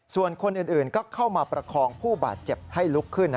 ส่วนคนอื่นก็เข้ามาประคองผู้บาดเจ็บให้ลุกขึ้น